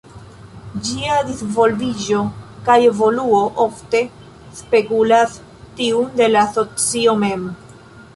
Ĝia disvolviĝo kaj evoluo ofte spegulas tiun de la socio mem.